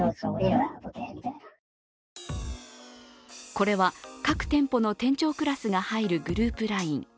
これは、各店舗の店長クラスが入るグループＬＩＮＥ。